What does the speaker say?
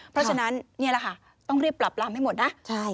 เพราะฉะนั้นนี่แหละค่ะต้องรีบปรับลำให้หมดนะ